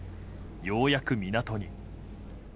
ようやく港に。